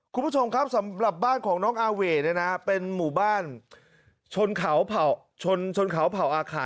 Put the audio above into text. คุณผู้ชมครับสำหรับบ้านของน้องอาเว่เนี่ยนะเป็นหมู่บ้านชนเขาชนเขาเผ่าอาขา